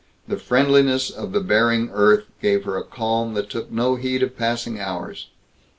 The friendliness of the bearing earth gave her a calm that took no heed of passing hours.